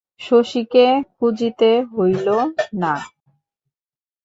শশীকে খুঁজিতে হইল না।